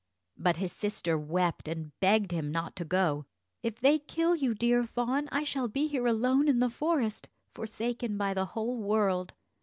But his sister wept, and begged him not to go: "If they kill you, dear fawn, I shall be here alone in the forest, forsaken by the whole world."